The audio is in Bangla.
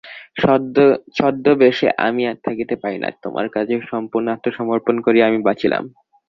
ছদ্মবেশে আমি আর থাকিতে পারি না তোমার কাছে সম্পূর্ণ আত্মসমর্পণ করিয়া আমি বাঁচিলাম।